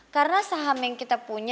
karena saham yang kita punya